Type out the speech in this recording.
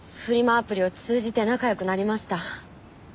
アプリを通じて仲良くなりました。